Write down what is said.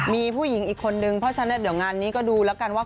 มีผู้หญิงอีกคนนึงเพราะฉะนั้นเดี๋ยวงานนี้ก็ดูแล้วกันว่า